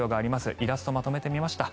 イラストまとめてみました。